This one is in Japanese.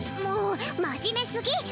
もう真面目すぎ！